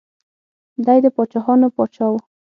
دی د پاچاهانو پاچا و.